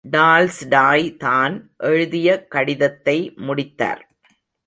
Tolstoy தான் எழுதியக் கடிதத்தை முடித்தார்.